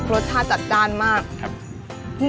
รสชาติจัดจ้านมากจำครับ